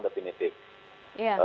tidak ada tindak